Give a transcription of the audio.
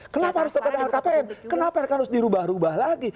kenapa harus dapat lhkpn kenapa harus dirubah rubah lagi